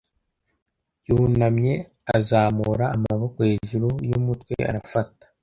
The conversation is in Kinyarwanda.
yunamye, azamura amaboko hejuru y'umutwe - arafata